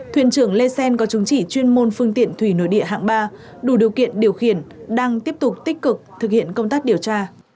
thuyền trưởng lê xen có chứng chỉ chuyên môn phương tiện thủy nội địa hạng ba đủ điều kiện điều khiển đang tiếp tục tích cực thực hiện công tác điều tra